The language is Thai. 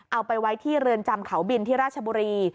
เอาไปไว้ที่เรือนจำเขาบินที่ราชบุรี